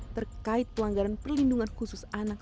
terkait pelanggaran perlindungan khusus anak